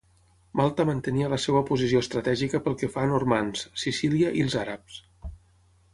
Malta mantenia la seva posició estratègica pel que fa a normands, Sicília i els àrabs.